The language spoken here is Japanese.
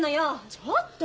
ちょっと！